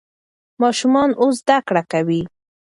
ماشومان اوس زده کړه کوي.